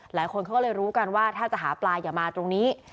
หลายคนเขาก็เลยรู้กันว่าถ้าจะหาปลาอย่ามาตรงนี้